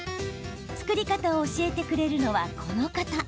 作り方を教えてくれるのはこの方。